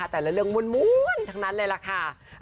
ให้กับแต่เรื่องหมุนทั้งนั้นแหละ